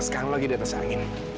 sekarang lagi di atas angin